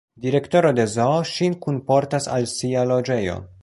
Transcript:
Direktoro de zoo ŝin kunportas al sia loĝejo.